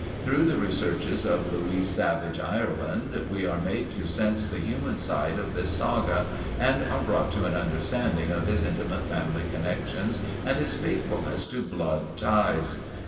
Through the researches of Louise Savage Ireland we are made to sense the human side of his saga and are brought to an understanding of his intimate family connections and his faithfulness to blood ties.